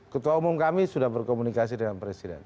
ketua umum kami sudah berkomunikasi dengan presiden